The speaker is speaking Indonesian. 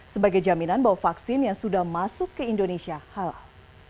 sebagai jaminan bahwa vaksin yang sudah masuk ke indonesia halal